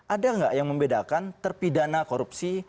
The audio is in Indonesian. ada nggak yang membedakan terpidana korupsi